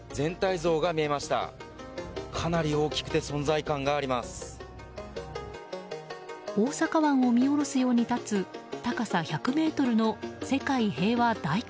大阪湾を見下ろすように立つ高さ１００ｍの世界平和大観